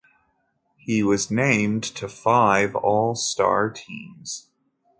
He was named to five All-Star teams.